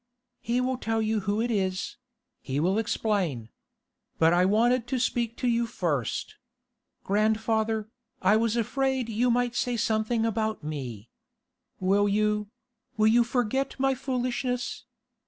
'He will tell you who it is; he will explain. But I wanted to speak to you first. Grandfather, I was afraid you might say something about me. Will you—will you forget my foolishness?